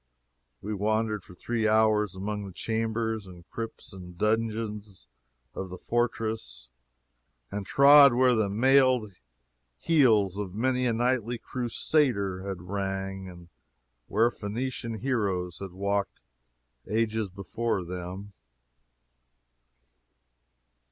We wandered for three hours among the chambers and crypts and dungeons of the fortress, and trod where the mailed heels of many a knightly Crusader had rang, and where Phenician heroes had walked ages before them.